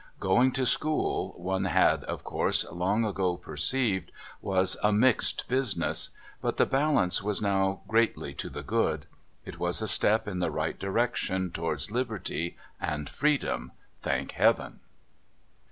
Going to school, one had, of course, long ago perceived, was a mixed business; but the balance was now greatly to the good. It was a step in the right direction towards liberty and freedom. Thank Heaven!